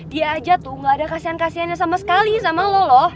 dia aja tuh nggak ada kasian kasiannya sama sekali sama lo loh